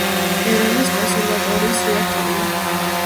ერევნის კონსერვატორიის რექტორია.